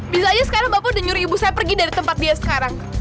bisa aja sekarang bapak udah nyuruh ibu saya pergi dari tempat dia sekarang